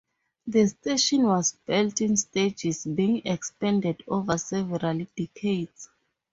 The station was built in stages, being expanded over several decades.